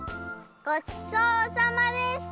ごちそうさまでした！